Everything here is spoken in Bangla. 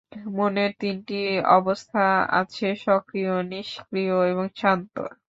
মনের তিনটি অবস্থা আছে সক্রিয়, নিষ্ক্রিয় এবং শান্ত।